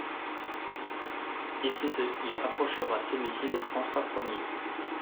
Et c'est ce qui rapprochera celui-ci de François Ier.